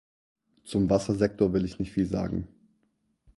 Zum Wassersektor will ich nicht viel sagen.